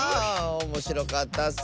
おもしろかったッス！